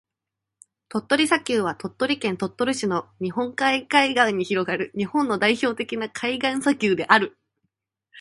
鳥取砂丘は、鳥取県鳥取市の日本海海岸に広がる日本の代表的な海岸砂丘である。